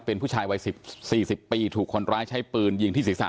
เป็นผู้ชายวัย๔๐ปีถูกคนร้ายใช้ปืนยิงที่ศีรษะ